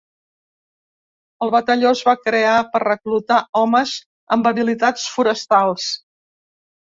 El batalló es va crear per reclutar homes amb habilitats forestals.